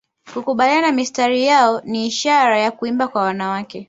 Kukabiliana na mistari yao ni ishara ya kuimba kwa wanawake